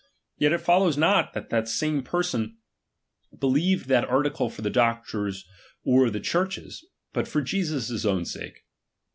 Yet it follows not, that the same persons believed that article for the doc tor's or the Church's, but for Jesus' own sake.